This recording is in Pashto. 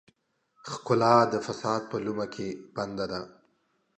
ښکلا د فساد په لومه کې بنده ده.